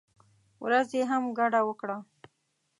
ورځې هم ګډه وکړه.